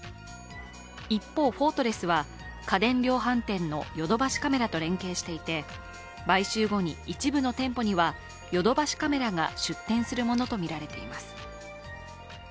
一方、フォートレスは家電量販店のヨドバシカメラと連携していて買収後に一部の店舗にはヨドバシカメラが出店するものとみられています。